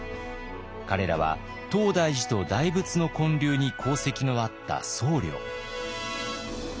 彼らは東大寺と大仏の建立に功績のあった僧侶。